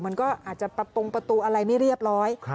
มันก็อาจจะประปงประตูอะไรไม่เรียบร้อย